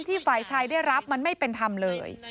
ฝ่ายชายได้รับมันไม่เป็นธรรมเลย